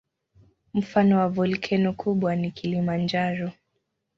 Mfano wa volkeno kubwa ni Kilimanjaro.